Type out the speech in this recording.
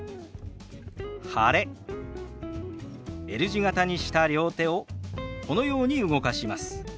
Ｌ字形にした両手をこのように動かします。